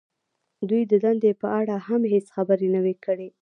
دوی د دندې په اړه هم هېڅ خبرې نه وې کړې